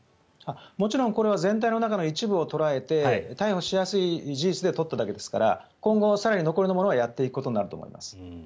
もちろんこれは全体の中の一部を捉えて逮捕しやすい事実で取っただけですから今後、更に残りのものをやっていくことになると思います。